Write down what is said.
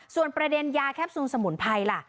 ส่วนประเด็นยาแคปซูลสมุนไพรล่ะ